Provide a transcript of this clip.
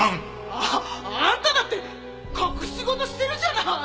ああんただって隠し事してるじゃない！